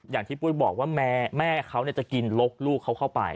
อย่างที่ปุ้ยบอกว่าแม่เขาจะกินลกลูกเขาเข้าไป